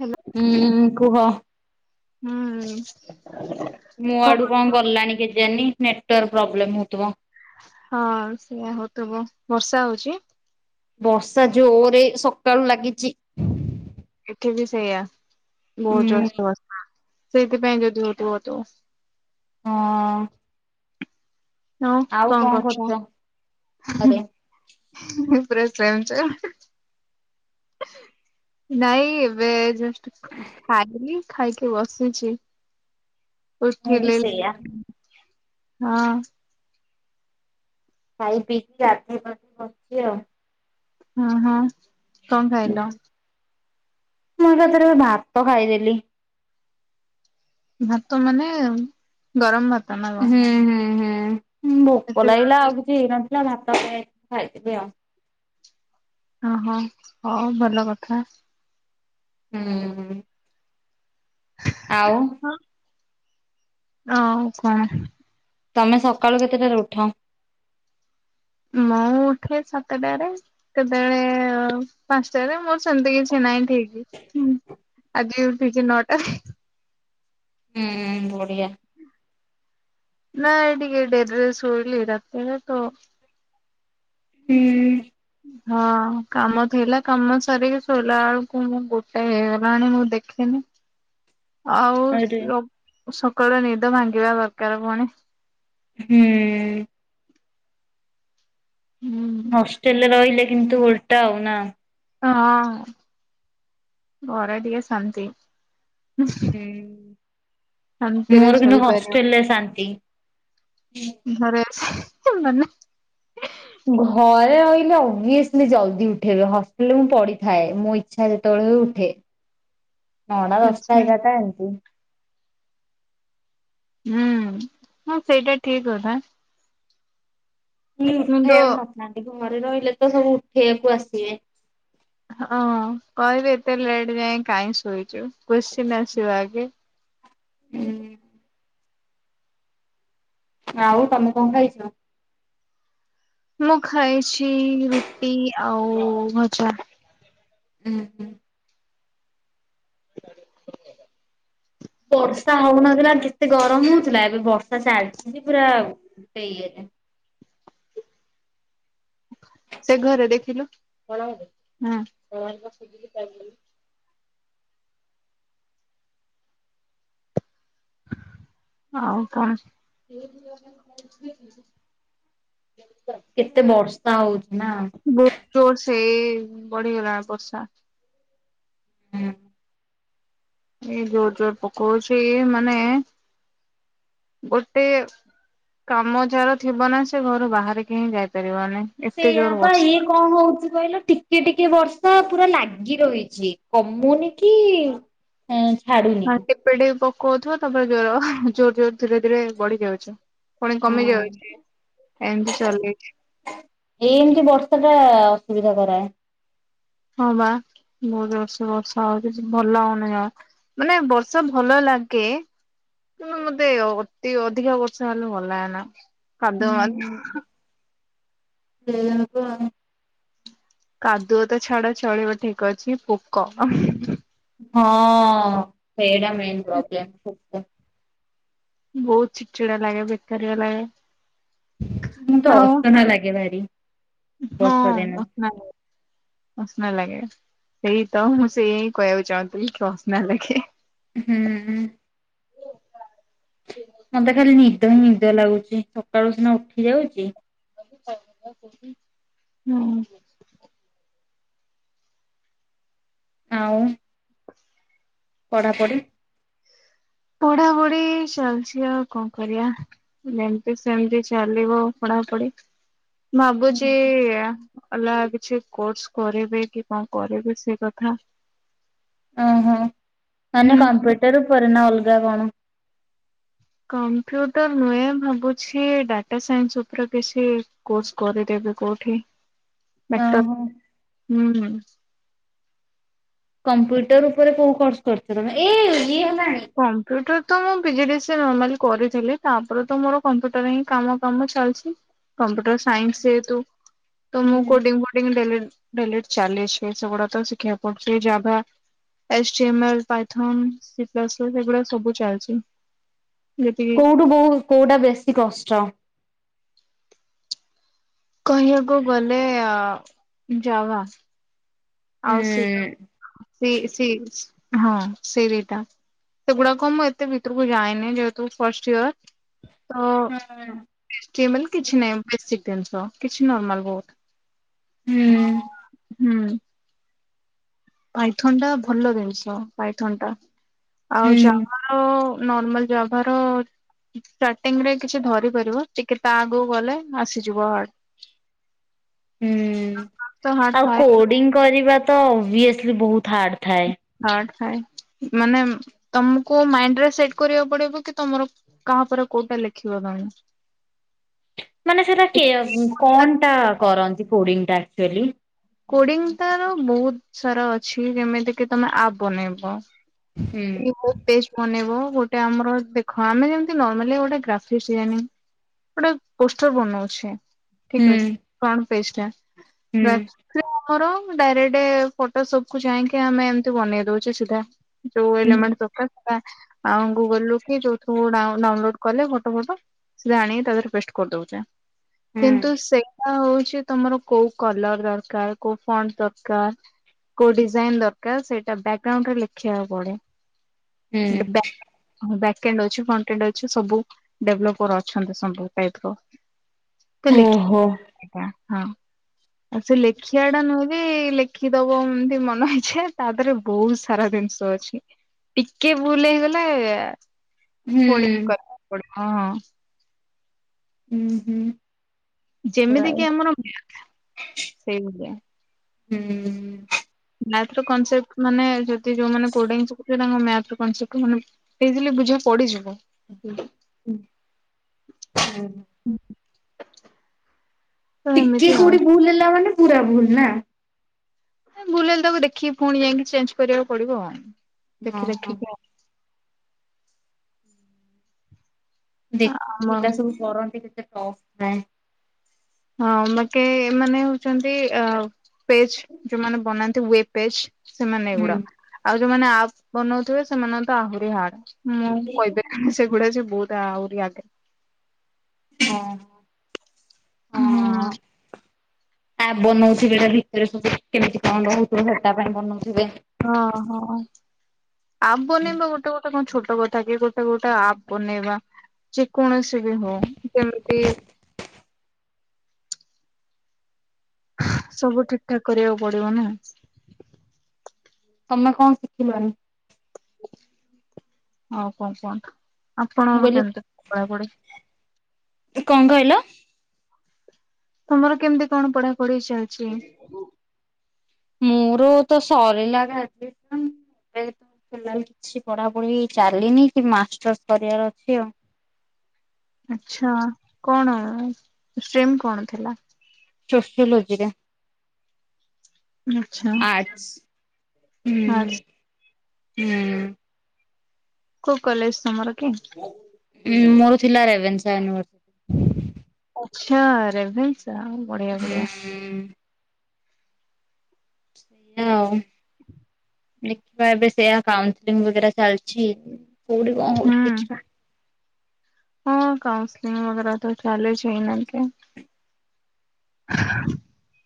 Hello ହୁଁ କୁହ। ହୁଁ ମୁଁ ଆଡୁ କଣ ଗଲାଣି କେଜାନି ନେଟୱାର୍କ ପ୍ରୋବ୍ଲେମ ହଉଥିବ। ହଁ ସେଇଆ ହଉଥୁବ ବର୍ଷା ହଉଛି? ବର୍ଷା ଜୋରେ ସକାଳୁ ଲାଗିଛି। ଏଠି ବି ସେଇଆ ବହୁତ ହୁଁ। ଜୋରସେ ବର୍ଷା ସେଇଥିପାଇଁ ଯଦିଓ ହଉଥିବ ହଉଥିବ। ହଁ। ଆଉ କଣ କରୁଛ? ଆରେ ଉପେଶ ସେମଛ [inaudible] ନାଇଁ ଏବେ ଯଷ୍ଟ ଖାଇଲି ଖାଇକି ବସିଛି। ମୁଁ ବି ଉଠିଲି ସେଇଆ ହଁ। ଖାଇ ପିିଇକି ଗାଧୋଇ ପାଧେଇ ବସିଚି ଆଉ। ହୁଁ ହୁଁ କଣ ଖାଇଲ? ମୁଁ ଏକାଥରେ ଭାତ ଖାଇଦେଲି। ଭାତ ମାନେ ଗରମ ଭାତ ନା କଣ ହୁଁ ହୁଁ ହୁଁ ଭୋକ ଏତେ ଲାଗିଲା ଆଉ କିଛି ହେଇନ ନଥିଲା ଭାତ ଖାଇ ଖାଇଦେଲି ଆଉ। ଓହୋ ହଉ ଭଲ କଥା। ହୁଁ। ଆଉ ହଁ ଆଉ କଣ? ତମେ ସକାଳୁ କେତେଟାରେ ଉଠ? ମୁଁ ଉଠେ ସାତଟାରେ। କେତେବେଳେ ପାଞ୍ଚଟାରେ ମୋର ସେମିତି କିଛି ନାହିଁ ଠିକ୍। ଆଜିଉଠିଛି ନଅଟାରେ। ହୁଁ ବଢିଆ। ନା ଏଇଟିକେ ଡେରିରେ ସୋଇଲି ରାତିରେ ତ ହୁଁ ହଁ କାମ ଥିଲା କାମ ସାରିକି ଶୋଇଲା ବେଳକୁ ମୁଁ ଗୋଟେ ହେଇଗଲାଣି ମୁଁ ଦେଖିନି। ଆରେ ଆଉ ସକାଳୁ ନିଦ ଭାଙ୍ଗିବା ଦରକାର ପୁଣି। ହୁଁ। ହୁଁ ହଷ୍ଟେଲରେ ରହିଲେ କିନ୍ତୁ ଓଲଟା ଆଉ ନା ହଁ ଘରେ ଟିକେ ଶାନ୍ତି। ଶାନ୍ତିରେ ମୋର କିନ୍ତୁ ଶୋଇପାରିବ ହଷ୍ଟେଲରେ ଶାନ୍ତି। ଘରେ [unintelligible] ଘରେ ଅଇଲେ ଅବିଏସ୍ଲି ଜଲଦି ଉଠେଇବେ ହଷ୍ଟେଲରେ ମୁଁ ପଡିଥାଏ ମୋ ଇ ଚ୍ଛା ଯେତବଳେ ହୁଏ ଉଠେ। [inaudible] ନଅ ଟା ଦଶ ଟା ଆଛା ଏଗାରଟା ଏମତି। ହୁଁ ହଁ ସେଇଟା ଠିକ୍ କଥା। ମୁଣ୍ଡୋ ମାଲିକ ଘରେ ରହିଲେ ତ ସବୁ ଉଠେଇଆକୁ ଆସିବେ। ହଁ କହିବେ ଏତେ ଲେଟ୍ ଯାଏ କାଇଁ ଶୋଇଛୁ କୋଶ୍ଚିନ ଆସିବ ଆଗେ। ହୁଁ। ଆଉ ତମେ କଣ ଖାଇଚ? ମୁଁ ଖାଇଚି ରୁଟି ଆଉ ଭଜା। ଉଁ ହୁଁ। ବର୍ଷା ହଉନଥିଲା କେତେ ଗରମ ହଉଥିଲା ଏବେ ବର୍ଷା ଚାଲଚି ଯେ ପୁରା ଟେ ଇଏରେ। ସେ ଘରେ ଦେଖିଲୁ ହଁ। ଆଉ କଣ? କେତେ ବର୍ଷା ହଉଚି ନା। ବ ତୋର ସେଇ ବଢିଗଲା ବର୍ଷା। ହୁଁ। ଏ ଜୋର ଜୋର ପକଉଛି ମାନେ ଗୋଟେ କାମ ଯାର ଥିବ ନା ସେ ଘରୁ ବାହାରିକି ହିଁ ଯାଇପାରିବନି। ଏତେ ସେଇଆ ଜୋର ବା ବର୍ଷା। ଇଏ କଣ ହଉଚି କହିଲ ଟିକିଏ ଟିକିଏ ବର୍ଷା ପୁରା ଲାଗି ରହିଚି କମୁନି କି ଅଁ ଛାଡୁନି। ପେ ଟୋପେ ପକଉଥିବ ତାପରେ ଜୋର ହବ ଆଁ ହାଁ ଜୋର ଜୋର ଧିରେ ଧିରେ ବଢି ଯାଉଚି। ପୁଣି ହୁଁ କମି ଯାଉଚି ଏମତି ଚଲେଇଚି। ଏଇ ଏମତି ବର୍ଷା ଟା ଅସୁବିଧା କରାଏ। ହଁ ବା ବହୁ ଜୋରସେ ବର୍ଷା ହଉଚି ଭଲ ଲାଗୁନି ଜ ମାନେ ବର୍ଷା ଭଲ ଲାଗେ। ନ୍ତୁ ମତେ ଅତି ଅଧିକା ବର୍ଷା ହେଲେ ଭଲ ଲାଗେନା କାଦୁଅ ମାଦୁ ସେଇଆ [unintelligible] କାଦୁଅ ତ ଛାଡ ଚଳିବ ଠିକ୍ ଅଛି ପୋକ। ହଁ ସେଇଟା ମେନ ପ୍ରୋବ୍ଲେମ ପୋକ। ବହୁତ ଚିଡ଼ ଚିଡା ଲାଗେ ବେକାରିଆ ଲାଗେ। ମୁଁ ତ ଆଉ ଅସନା ଲାଗେ ଭାରି। ହଁ ବର୍ଷା ଦିନ। ଅସନା ଲାଗେ। ଅସନା ଲାଗେ ସେଇ ତ ମୁଁ ସେଇଆ ହିଁ କହିଆକୁ ଚାହୁଁଥିଲି କି ଅସନା ଲାଗେ। ହୁଁ। ମତେ ଖାଲି ନିଦୁଆ ନିଦୁଆ ଲାଗୁଚି ସକାଳୁ ସିନା ଉଠି ଯାଉଚି। ହୁଁ। ଆଉ। [inaudible] ପଢାପଢି? ପଢାପଢି ଚାଲିଚି ଆଉ କଣ କରିଆ। ଯେମତି ସେମତି ଚାଲିବ ପଢାପଢି ଭାବୁଚି ଏୟା। ଅଲଗା କିଛି କୋର୍ସ କରିବି କି କଣ କରିବି ସେ କଥା। ଓ ହୋ ମାନେ ହୁଁ କମ୍ପ୍ୟୁଟର ଉପରେ ନା ଅଲଗା କଣ? କମ୍ପ୍ୟୁଟର ନୁହେଁ ଭାବୁଛି ଡାଟା ସାଇନ୍ସ ଉପରେ କିଛି କୋର୍ସ କରିଦେବି କୋଉଠି ବେଟର ଓହୋ। ହୁଁ। କମ୍ପୁଟର ଉପରେ କୋଉ କରିଚ ତମେ ଏ ଇଏ ହେଲାଣି। କମ୍ପ୍ୟୁଟର ତ ମୁଁ P G D C A normally କରିଥିଲି ତାପରେ ତ ମୋର କମ୍ପ୍ୟୁଟର ହିଁ କାମ କାମ ଚାଲିଚି କମ୍ପ୍ୟୁଟର ସାଇନ୍ସ ହୁଁ ଯେହେତୁ ତ ମୁଁ କୋଡିଙ୍ଗ ଫୋଡ଼ିଙ୍ଗ ଦେଲିଣି ଡେଲି ଚାଲିଚି ସେଗୁଡା ତ ଶିଖିବାକୁ ପଡୁଛି ଏଇ Java H T M L Python C plus plus ଏ ସେଗୁଡା ସବୁ ଚାଲିଛି ଯେତିକି ଠୁ ବହୁ କୋଉଟା ବେଶୀ କଷ୍ଟ। କହିବାକୁ ଗଲେ ଜାଭା। ଆଉ ସି ହୁଁ ସି ସି ହଁ ସେଇ ଦିଟା ସେଗୁଡାକ ମୁଁ ଏତେ ଭିତରକୁ ଯାଇନି ଯେହେତୁ ଫାଷ୍ଟ ଇୟର। ତ ଏଚ୍ ଟି ଏମେଲ୍ କିଛି ନାହିଁ ବେଶି ଟେନ୍ସ କିଛି ନର୍ମାଲ ବହୁତ୍। ହୁଁ। ହୁଁ। ପାଇଥନ ଟା ଭଲ ଜିନିଷ ପାଇଥନ ଟା ଆଉ ହୁଁ ଯାଭା ର ନର୍ମାଲ ଜାଭା ର ଷ୍ଟାର୍ଟିଂ ରେ କିଛି ଧରି ପାରିବ ଟିକେ ତା ଆଗକୁ ଗଲେ ଆସିଯିବ ହାର୍ଡ। ହୁଁ ତ ହାର୍ଡ ଆଉ ଥାଏ କୋଡିଙ୍ଗ କରିବା ତ ଅଭିଅସଲି ବହୁତ ହାର୍ଡ ଥାଏ। ହାର୍ଡ ଥାଏ ମାନେ ତମକୁ ମାଇଣ୍ଡ ରେ ସେଟ କରିବାକୁ ପଡିବ କି ତମର କାହାପରେ କୋଉଟା ଲେଖିବ ତମେ। ମାନେ ସେଟା କେଅ କଣ ଟା କରନ୍ତି କୋଡିଙ୍ଗ ଟା ଆକ୍ଚୁଆଲି। କୋଡିଙ୍ଗ ତାର ବହୁତ ସାରା ଅଛି ଯେମିତି କିି ତମେ ଆପ୍ ବନେଇବ। ହୁଁ ଏଇ ମୋ ଟେଷ୍ଟ ବନେଇବ ଗୋଟେ ଆମର ଦେଖ ଆମେ ଯେମତି ନର୍ମାଲି ଗୋଟେ ଗ୍ରାଫିକ୍ସଆନ। ଗୋଟେ ପୋଷ୍ଟର ବନଉଛେ ଠିକ ହୁଁ ଅଛି ଫ୍ରଣ୍ଟ ପେଜ ଟା ହୁଁ ଗ୍ରାଫିକ୍ସ ଧର ଡାଇରେକ୍ଟ ଫଟୋ ସବ କୁ ଯାଇକି ଆମେ ଏମିତି ବନେଇ ଦଉଛେ ସିଧା। ଯୋଉ ହୁଁ ଏଲ ମେଣ୍ଟ ପେପର ଆଉ ଗୁଗଲ ରୁ କି ଯୋଉଥୁ ଡାଉନଲୋଡ କଲେ ଫଟ ଫଟ ସେରା ଆଣିକି ତା ଦେହରେ ପେଷ୍ଟ କରିଦଉଚେ କିନ୍ତୁ ହୁଁ ସେଟା ହଉଚି ତମର କୋଉ କଲର ଦରକାର କୋଉ ଫଣ୍ଟ ଦରକାର। କୋଉ ଡିଜାଇନ ଦରକାର ସେଇଟା ବ୍ୟାକଗ୍ରାଉଣ୍ଡରେ ଲେଖିବାକୁ ପଡେ ହୁଁ ଡ ବ୍ୟ ହଁ ବ୍ୟାକଣ୍ଡ ଅଛି ଫ୍ରଣ୍ଟ ଏଣ୍ଡ ଅଛି ସବୁ ଡେଭଲପର ଅଛନ୍ତି ସବୁ ଟାଇପ ର ତ ଲେଖ ଓହୋ ଆଜ୍ଞା ହଁ। ଆଉ ସେ ଲେଖିବା ଟା ନୁହେଁ ବି ଲେଖିଦବ ଏମିତି ମନ ଇଛା ତା ଦେହରେ ବହୁତ ସାରା ଜିନିଷ ଅଛି ଟିକେ ଭୁଲ ହେଇଗଲା ହୁଁ ପୁଣି କ ହଁ ହଁ। ହୁଁ ହୁଁ। ଯେମିତି କିି ଆମର ସେଇଭଳିଆ। ହୁଁ। ମ୍ୟାଥର କନସେ୍ଟ ମାନେ ଯଦି ଯୋଉମାନେ କୋଡିଙ୍ଗ ଶିଖିଥିବେ ତାଙ୍କେ ମ୍ୟାପ ରେ କନ୍ସେପ୍ଟ ମାନେ ବୁଝେଇ ଦେଲେ ବୁଝା ପଡିଯିବ। ହଁ ହୁଁ। ତ ଟିକେ ଏମିତି ଆଉ। କୋଉଠି ଭୁଲ ହେଲା ମାନେ ପୁରା ଭୁଲ ନା। ଏ ହେଲେ ତାକୁ ଦେଖିକି ପୁଣି ଯାଇକି ଚେଞ୍ଜ କରିବାକୁ ପଡିବ ଆଉ ହଁ ଦେଖି ହଁ। ଦେଖିକି। ଦେଖ ଆମ ପିଲା ସବୁ କରନ୍ତି କେତେ ଟପ୍ ନାଏଁ। ହଁ ମକେ ଏମାନେ ହଉଛନ୍ତି ପେଜ ଯୋଉମାନେ ବନାନ୍ତି ୱେବ ପେଜ। ସେମାନେ ହୁଁ। ଏଗୁଡା ଆଉ ଯୋଉମାନେ ଆପ୍ ବନଉଥିବେ ସେମାନେ ତ ଆହୁରି ହାର୍ଡ। ମୁଁ ହଁ କହିପାରିବିନି ସେଗୁଡା ସେ ବହୁତ ଆହୁରି ଆଗରେ। ହଁ ହୁଁ ହଁଅଁ। ଆପ୍ ବନଉଥିବେ ତା ଭିତରେ ସବୁ କେମିତି କଣ ରହୁଥିବ ସେଟା ପାଇଁ ବନଉଥିବେ। ହଁ ହଁ। ଆପ୍ ବନେଇବା ଗୋଟେ ଗୋଟେ କଣ ଛୋଟ କଥା କି ଗୋଟେ ଗୋଟେ ଆପ୍ ବନେଇବା। ଯେ କୌଣସି ବି ହଉ କେମିତି ସବୁ ଠିକ ଠାକ କରିବାକୁ ପଡିବ ନା। ତମେ କଣ ଶିଖିଲଣିି। ଆଉ କଣ କୁହନା ମୁଁ ଆପଣଙ୍କର କହିଲି କେମତି [inaudible] ପଡ଼େ? କଣ କହିଲ? ତୁମର କେମିତି କଣ ପଢା ପଢି ଚାଲ୍ [inaudible] ମୋର ତ ସରିଲାଣି ଆଜି ପାଇଁ [inaudible] ଫିଲାଲ୍ କିଛି ପଢାପଢି ଚାଲିନି କି ମାଷ୍ଟର୍ସ କରିବାର ଅଛି ଆଉ ଆଛା କଣ ଷ୍ଟ୍ରିମ୍ କଣ ଥିଲା? ସୋସିଓଲୋଜିରେ। ଆଚ୍ଛା ଆଛ୍ ଆର୍ଟ୍ସ ହୁଁ ହୁଁ। କୋଉ କଲେଜ ତମର? କି? ଉଁ ମୋର ଥିଲା ରେଭେନ୍ସା ୟନିଭର୍ ଓ ଆଛା ରେଭେନ୍ସା। ବଢିଆ ବଢିଆ [inaudible] ହଁ। ଦେଖିବା ଏବେ ସେୟା କାଉସିଲ୍ ବଗେରା ଚାଲିଛି କୋଉଠି କଣ ହୁଁ। ହଉଛି ଦେଖିବା? ହଁ କାଉନ୍ସଲିଂ ବଗେରା ତ ଚାଲିଛି ଏଇନାକେ।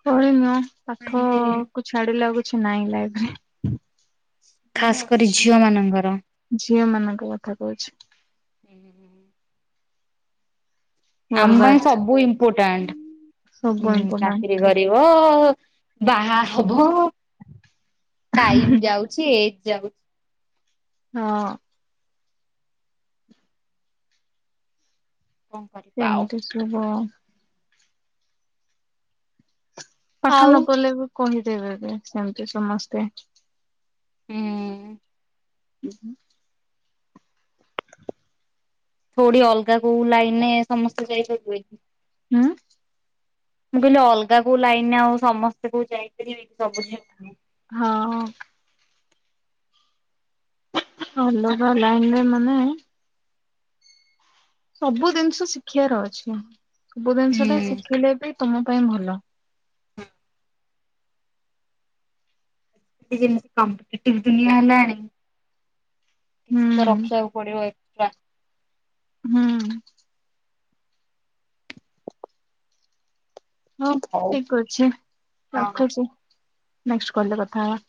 ପଢିନିଅ ମାନେ ପାଠକୁ ଛାଡିଲେ ଆଉ କିଛି ନାହିଁ ଲାଇଫରେ। ଖାସ କରି ଝିଅ ମାନଙ୍କର। ଝିଅ ମାନଙ୍କ କଥା କହୁଛି। ହୁଁ ହୁଁ ହୁଁ ଆମ ପାଇଁ ବର୍ବାଦ ସବୁ ଇମ୍ପୋର୍ଟାଣ୍ଟ ସବୁ ଇମ୍ପୋର୍ଟାଣ୍ଟ ଚାକିରି କରି କରିବ ବାହାହବ ଟାଇମ ଯାଉ ଛି ଏଇ ଯାଉ ହଁ। କଣ କରିବା ଆଉ। ସେମିତି ଶୁଭ ପାଠ ଆଉ। ନପଢିଲେବି କହିଦେବେ ବି ସେମିତି ସମସ୍ତେ। ହୁଁ। ହୁଁ ହୁଁ କୋଉଠି ଅଲଗା କୋଉ ଲାଇନରେ ସମସ୍ତେ ଯାଇପାରିବେ। ହୁଁ। ମୁଁ କହିଲି ଅଲଗା କୋଉ ଲାଇନରେ ଆଉ ସମସ୍ତେ କୋଉ ଯାଇପାରିବେ କି ସବୁଝିଅମାନେ। ହଁ ହଁ। ଅଲଗା ଲାଇନରେ ମାନେ ସବୁ ଜିନିଷ ଶିଖିବାର ଅଛି ସବୁ ଜିନିଷଟା ହୁଁ। ଶିଖିଲେ ବି ତମ ପାଇଁ ଭଲ। ଏବେ ଯେମିତି କମ୍ପିଟେଟିବ ଦୁନିଆ ହେଲାଣି କିଛି ତ ହୁଁ ରଖିବାକୁ ପଡିବ। ଏକ୍ସଟ୍ରା। ହୁଁ। ହଁ ହଉ। ଠିକ ଅଛି ହଁ। ରଖୁଛି ନେଷ୍ଟ୍ କଲରେ କଥା ହବା।